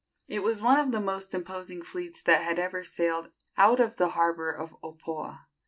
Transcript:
It was one of the most imposing fleets that had ever sailed out of the harbor of Opoa.